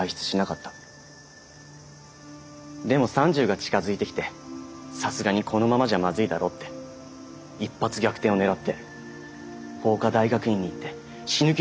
でも３０が近づいてきてさすがにこのままじゃまずいだろうって一発逆転を狙って法科大学院に行って死ぬ気で勉強して司法試験受けたんです。